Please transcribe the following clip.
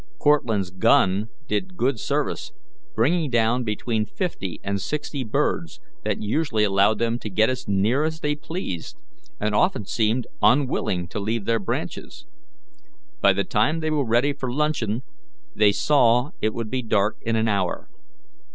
Cortlandt's gun did good service, bringing down between fifty and sixty birds that usually allowed them to get as near as they pleased, and often seemed unwilling to leave their branches. By the time they were ready for luncheon they saw it would be dark in an hour.